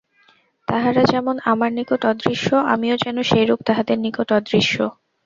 তাহারা যেমন আমার নিকট অদৃশ্য, আমিও যেন সেইরূপ তাহাদের নিকট অদৃশ্য।